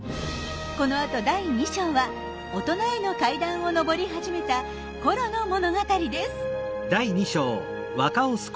このあと第２章は大人への階段を上り始めたコロの物語です。